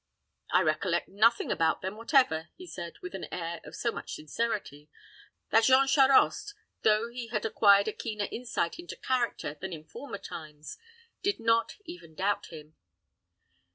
"I recollect nothing about them whatever," he said, with an air of so much sincerity, that Jean Charost, though he had acquired a keener insight into character than in former times, did not even doubt him.